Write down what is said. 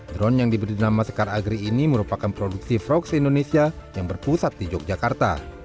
drone yang diberi nama sekar agri ini merupakan produksi frogs indonesia yang berpusat di yogyakarta